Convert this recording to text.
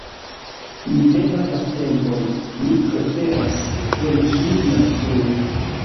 Mi ne havas tempon, mi preferas reveni pli malfrue.